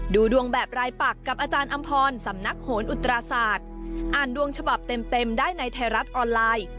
ดูดวงแบบรายปักกับอาจารย์อำพรสำนักโหนอุตราศาสตร์อ่านดวงฉบับเต็มเต็มได้ในไทยรัฐออนไลน์